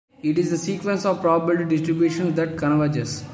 It is the sequence of probability distributions that converges.